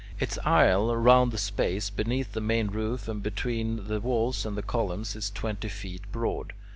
Its aisle round the space beneath the main roof and between the walls and the columns is twenty feet broad.